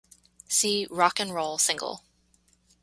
See "Rock and Roll" single.